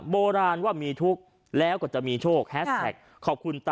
โบราณว่ามีทุกข์แล้วก็จะมีโชค